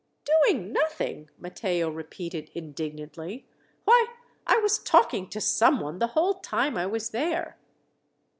"Doing nothing!" Matteo repeated indignantly. "Why, I was talking to someone the whole time I was there."